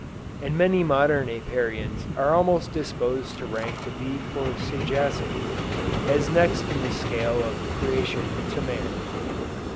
And many modern Apiarians are almost disposed to rank the bee for sagacity, as next in the scale of creation to man.